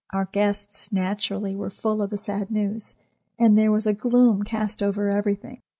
Our guests, naturally, were full of the sad news, and there was a gloom cast over everything.